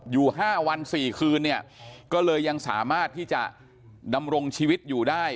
อยู่๕วัน๔คืนเนี่ยก็เลยยังสามารถที่จะดำรงชีวิตอยู่ได้